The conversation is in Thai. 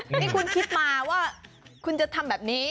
นี่คุณคิดมาว่าคุณจะทำแบบนี้